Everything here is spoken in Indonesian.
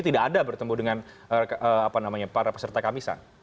tidak ada bertemu dengan para peserta kamisan